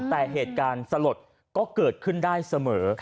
แต่เหตุการณ์สลดก็เกิดขึ้นได้เสมอ